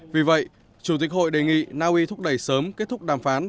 vì vậy chủ tịch hội đề nghị naui thúc đẩy sớm kết thúc đàm phán